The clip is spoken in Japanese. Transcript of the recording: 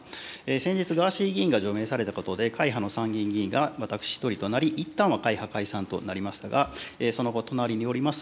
先日、ガーシー議員が除名されたことで、会派の参議院議員が私１人となり、いったんは会派解散となりましたが、その後、隣におります